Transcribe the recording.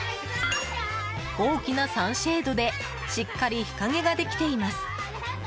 大きなサンシェードでしっかり日陰ができています。